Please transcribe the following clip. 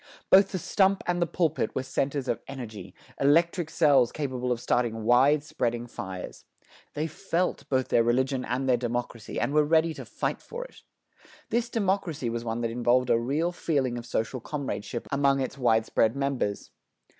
Both the stump and the pulpit were centers of energy, electric cells capable of starting widespreading fires. They felt both their religion and their democracy, and were ready to fight for it. This democracy was one that involved a real feeling of social comradeship among its widespread members.